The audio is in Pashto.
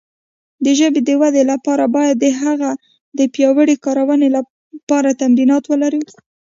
د ژبې د وده لپاره باید د هغه د پیاوړې کارونې لپاره تمرینات ولرو.